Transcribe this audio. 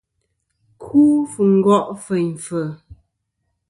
Ku fɨ ngo' feyn fɨ̀.